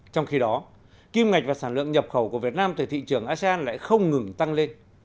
trong khi đó kim ngạch và sản lượng nhập khẩu của việt nam từ thị trường asean lại không ngừng tăng lên